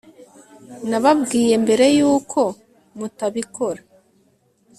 Nababwiye mbere yuko mutabikora